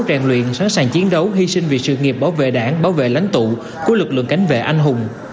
rèn luyện sẵn sàng chiến đấu hy sinh vì sự nghiệp bảo vệ đảng bảo vệ lãnh tụ của lực lượng cảnh vệ anh hùng